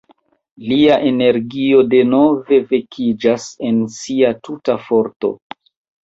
Lia energio denove vekiĝas en sia tuta forto.